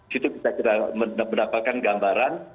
kita bisa mendapatkan gambaran